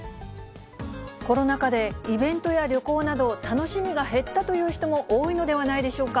コロナ禍でイベントや旅行など、楽しみが減ったという人も多いのではないでしょうか。